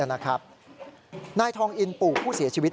นายทองอินปู่ผู้เสียชีวิต